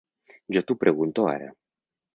Jo t'ho pregunto ara.